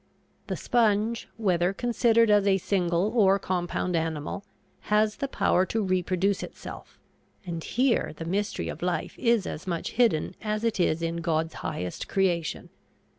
The sponge, whether considered as a single or compound animal, has the power to reproduce itself, and here the mystery of life is as much hidden as it is in God's highest creation.